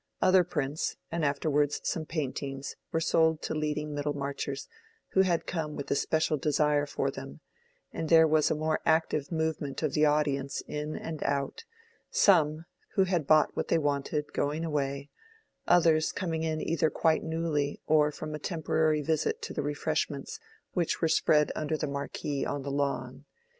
Other prints, and afterwards some paintings, were sold to leading Middlemarchers who had come with a special desire for them, and there was a more active movement of the audience in and out; some, who had bought what they wanted, going away, others coming in either quite newly or from a temporary visit to the refreshments which were spread under the marquee on the lawn.